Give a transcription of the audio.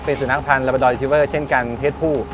เป็นสุนัขพันธ์ลาบาดอยทิเวอร์เช่นกันเพศผู้